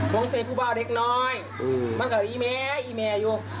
มองเซ้ภูเบาเด็กน้อยมันก็แอ่แม่แอ่แม่อยู่